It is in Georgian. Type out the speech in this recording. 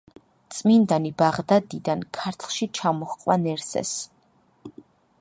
წმინდანი ბაღდადიდან ქართლში ჩამოჰყვა ნერსეს.